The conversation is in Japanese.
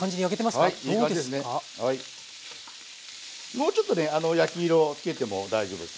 もうちょっとね焼き色をつけても大丈夫です。